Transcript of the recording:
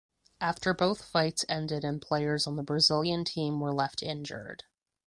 After both fights ended and players on the Brazilian team were left injured.